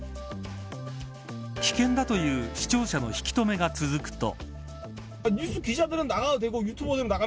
危険だという視聴者の引き止めが続くと。